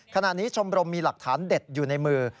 ขณะนี้ชมรมมีหลักฐานเด็ดอยู่ในมือ